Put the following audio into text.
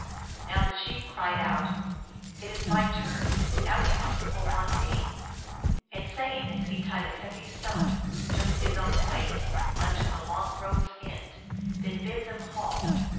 Now the chief cried out, " It is my turn ; now you must pull on me !" And saying this, he tied a heavy stone, just his own weight, unto the long rope s end, then bid them haul.